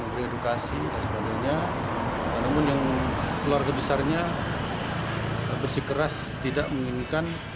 mengedukasi dan sebagainya namun yang keluarga besarnya bersih keras tidak menginginkan